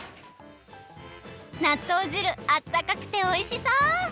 なっとう汁あったかくておいしそう！